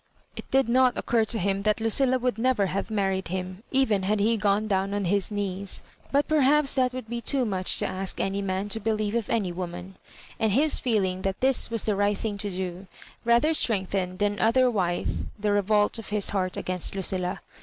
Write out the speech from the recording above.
It did not occur to him that Lu cilla would never have married him, even had he gone down on his knees; but perhaps that would be too much to ask any man to believe of any woman ; and his feeling that this was the right thing to do, rather strengthened than other wise the revolt of his heart against Lucilla.